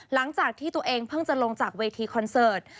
หลังจากที่ตัวเองเพิ่งจะลงจากเวทีคอนเสิร์ต